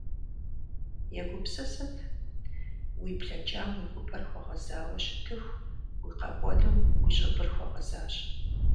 Егупсысыт: уи блэкӏам уи гупэр хуэгъэзауэ ущытыху, уи къэкӏуэнум уи щӏыбыр хуэгъэзащ.